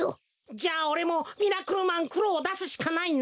じゃあおれもミラクルマンくろをだすしかないな。